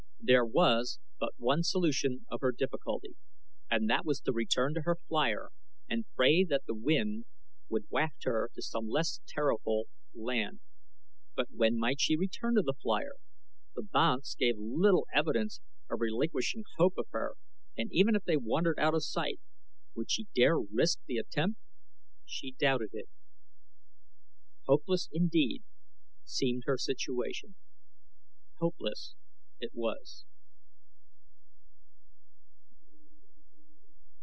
There was but one solution of her difficulty and that was to return to her flier and pray that the wind would waft her to some less terrorful land; but when might she return to the flier? The banths gave little evidence of relinquishing hope of her, and even if they wandered out of sight would she dare risk the attempt? She doubted it. Hopeless indeed seemed her situation hopeless it was.